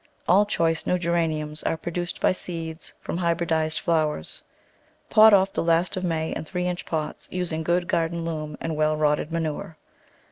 All choice new Geraniums are pro duced by seeds from hybridised flowers. Pot off the last of May in three inch pots, using good garden loam and well rotted manure.